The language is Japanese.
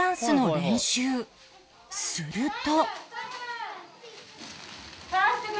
すると